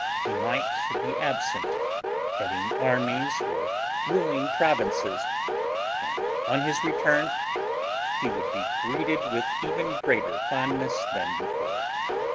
He might be absent, heading armies or ruling provinces, and on his return he would be greeted with even greater fondness than before.